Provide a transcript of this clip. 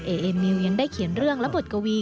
เอเอมิวยังได้เขียนเรื่องและบทกวี